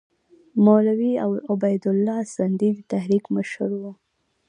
مولوي عبیدالله سندي د تحریک مشر وو.